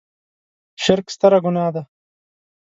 شرک ستره ګناه ده.